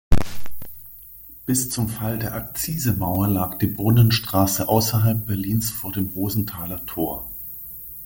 Bis zum Fall der Akzisemauer lag die Brunnenstraße außerhalb Berlins vor dem Rosenthaler Thor.